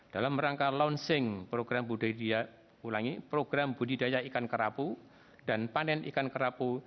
dalam rangka launching program budidaya ikan kerapu dan panen ikan kerapu